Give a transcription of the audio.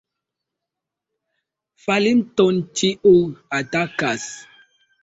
Falinton ĉiu atakas.